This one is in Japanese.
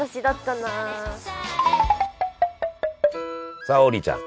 さあ王林ちゃん。